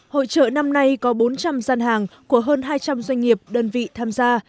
hội trợ năm nay có bốn trăm linh gian hàng của hơn hai trăm linh doanh nghiệp đơn vị tham gia